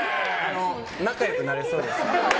仲良くなれそうです。